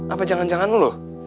apa jangan jangan lo